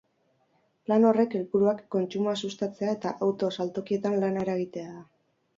Plan horren helburuak kontsumoa sustatzea eta auto saltokietan lana eragitea da.